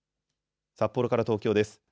札幌から東京です。